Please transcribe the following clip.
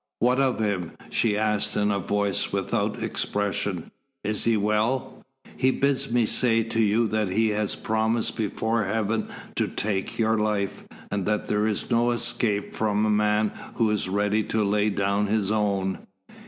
"What of him?" she asked in a voice without expression. "Is he well?" "He bids me say to you that he has promised before Heaven to take your life, and that there is no escape from a man who is ready to lay down his own."